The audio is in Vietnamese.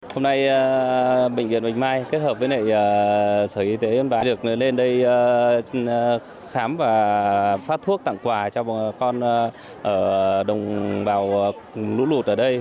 hôm nay bệnh viện bạch mai kết hợp với sở y tế yên bái được lên đây khám và phát thuốc tặng quà cho con ở đồng bào lũ lụt ở đây